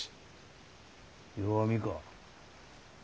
弱みか。